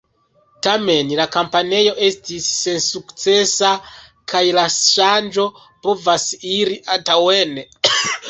Tamen la kampanjo estis sensukcesa kaj la ŝanĝo povas iri antaŭen.